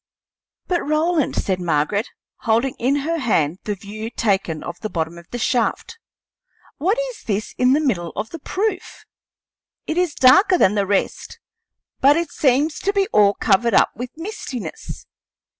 "But, Roland," said Margaret, holding in her hand the view taken of the bottom of the shaft, "what is this in the middle of the proof? It is darker than the rest, but it seems to be all covered up with mistiness.